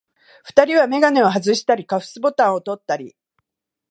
二人はめがねをはずしたり、カフスボタンをとったり、